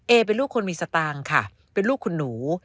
เป็นลูกคนมีสตางค์ค่ะเป็นลูกคุณหนู